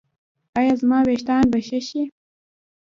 ایا زما ویښتان به ښه شي؟